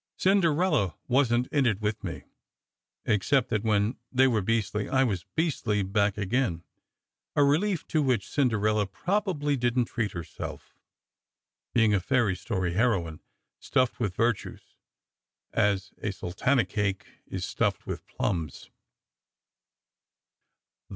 Cinderella wasn t in it with me, except that when they were beastly, I was beastly back again; a relief to which Cinderella probably didn t treat herself, being a fairy story heroine, stuffed with vir tues as a sultana cake is stuffed with plums.